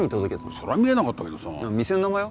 それは見えなかったけどさ店の名前は？